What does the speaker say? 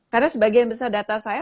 karena sebagian besar data saya